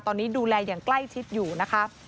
ตอนนี้ดูแลอย่างใกล้ชิดอยู่นะคะ